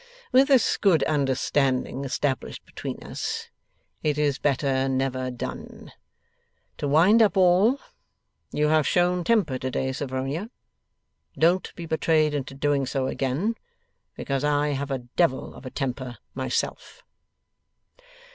With this good understanding established between us, it is better never done. To wind up all: You have shown temper today, Sophronia. Don't be betrayed into doing so again, because I have a Devil of a temper myself.